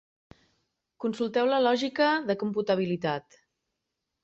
Consulteu la lògica de computabilitat.